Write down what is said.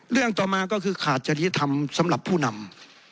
เรื่องต่อมาก็คือขาดจริยธรรมสำหรับผู้นำ